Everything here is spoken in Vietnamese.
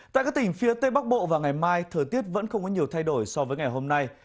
tại các tỉnh phía tây bắc bộ và ngày mai thời tiết vẫn không có nhiều thay đổi so với ngày hôm nay